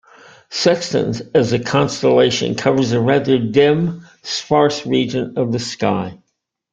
Sextans as a constellation covers a rather dim, sparse region of the sky.